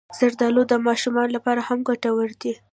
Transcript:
زردالو د ماشومانو لپاره هم ګټور دی.